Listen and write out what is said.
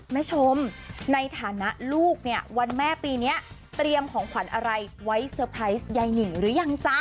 แม่ชมในฐานะลูกเนี่ยวันแม่ปีนี้เตรียมของขวัญอะไรไว้เซอร์ไพรส์ยายนิ่งหรือยังจ๊ะ